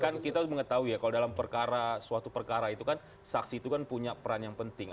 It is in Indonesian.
kan kita mengetahui ya kalau dalam perkara suatu perkara itu kan saksi itu kan punya peran yang penting